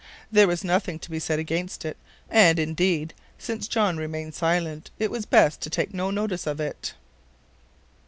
There was nothing to be said against it, and, indeed, since John remained silent, it was best to take no notice of it.